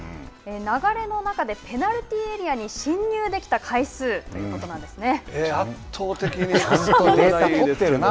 流れの中でペナルティーエリアに進入できた回数ということなんで圧倒的に。